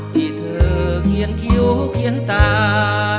ที่เธอเขียนคิ้วเขียนตา